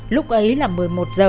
lúc ấy là một mươi một h